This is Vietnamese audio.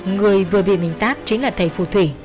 người vừa bị mình tát chính là thầy phù thủy